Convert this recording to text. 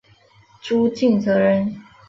朱敬则人。